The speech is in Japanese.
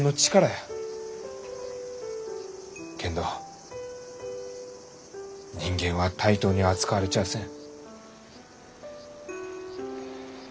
けんど人間は対等に扱われちゃあせん。